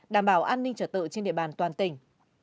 đảm bảo an ninh trở tự trên địa bàn toàn tỉnh